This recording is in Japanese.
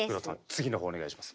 次の方お願いします。